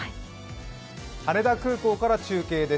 羽田空港から中継です。